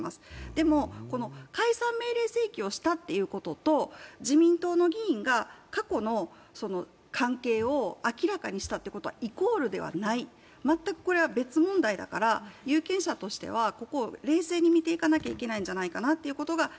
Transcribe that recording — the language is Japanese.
でも、解散命令請求をしたということと、自民党の議員が過去の関係を明らかにしたってことはイコールではない、全くこれは別問題だから、有権者としてはここを冷静に見ていかなければいけないんじゃないか。